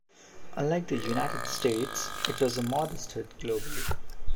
Unlike the United States, it was a modest hit globally.